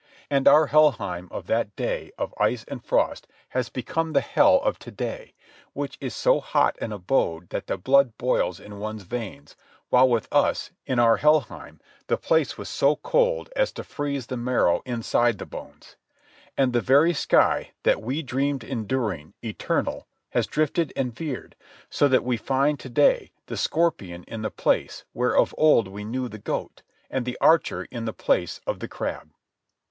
And our Helheim of that day of ice and frost has become the hell of to day, which is so hot an abode that the blood boils in one's veins, while with us, in our Helheim, the place was so cold as to freeze the marrow inside the bones. And the very sky, that we dreamed enduring, eternal, has drifted and veered, so that we find to day the scorpion in the place where of old we knew the goat, and the archer in the place of the crab.